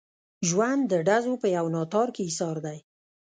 ژوند د ډزو په یو ناتار کې ایسار دی.